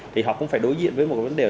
thì họ cũng phải đối diện với một vấn đề